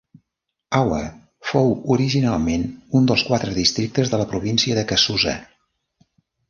Awa fou originalment un dels quatre districtes de la província de Kazusa.